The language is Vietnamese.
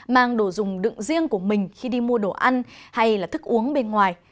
mang đồ dùng đựng riêng của mình khi đi mua đồ ăn hay là thức uống bên ngoài